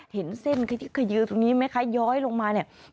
เห็นเส้นขยือตรงนี้ไหมคะย้อยลงมาเนี่ย